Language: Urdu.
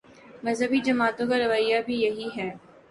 مذہبی جماعتوں کا رویہ بھی یہی ہے۔